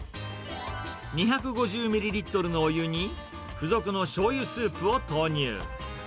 ２５０ミリリットルのお湯に、付属のしょうゆスープを投入。